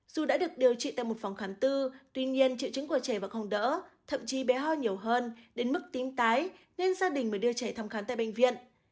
dù đã được điều trị tại một phòng khám tư tuy nhiên triệu chứng của trẻ và không đỡ thậm chí bé ho nhiều hơn đến mức tính tái nên gia đình mới đưa trẻ thăm khám tại bệnh viện